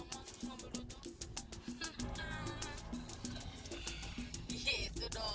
yang modalin siapa abi gua